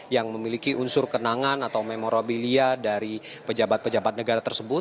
yang memiliki unsur kenangan atau memorabilia dari pejabat pejabat negara tersebut